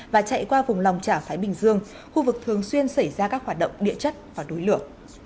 và chạy qua vùng lòng trảo thái bình dương khu vực thường xuyên xảy ra các hoạt động địa chất và đối tượng